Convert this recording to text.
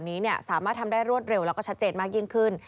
นี้สามารถทำได้รวดเร็วแล้วก็ชัดเจนมากยิ่งขึ้น